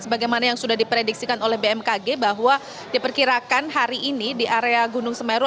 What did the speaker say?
sebagaimana yang sudah diprediksikan oleh bmkg bahwa diperkirakan hari ini di area gunung semeru